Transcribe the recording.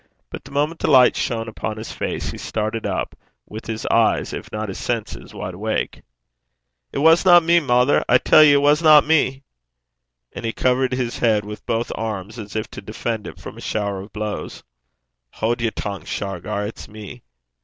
But the moment the light shone upon his face, he started up, with his eyes, if not his senses, wide awake. 'It wasna me, mither! I tell ye it wasna me!' And he covered his head with both arms, as if to defend it from a shower of blows. 'Haud yer tongue, Shargar. It's me.'